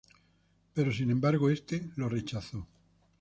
Pero sin embargo este lo rechazó.